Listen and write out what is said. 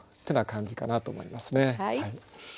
てな感じかなと思いますね。